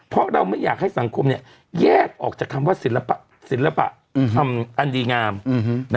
เพราะว่าคนแก้ยากหรอแม่